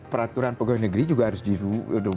peraturan pegawai negeri juga harus didukung